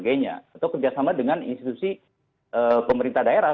atau kerjasama dengan institusi pemerintah daerah